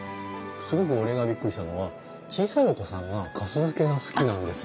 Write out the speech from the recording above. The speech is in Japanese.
すごく俺がびっくりしたのは小さいお子さんがかす漬けが好きなんですよ。